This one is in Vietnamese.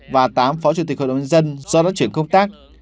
và tám phó chủ tịch hội đồng nhân dân do nó chuyển công tác